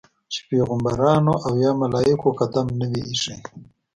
چې پیغمبرانو او یا ملایکو قدم نه وي ایښی.